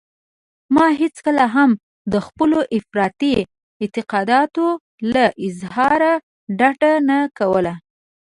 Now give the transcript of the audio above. ما هېڅکله هم د خپلو افراطي اعتقاداتو له اظهاره ډډه نه کوله.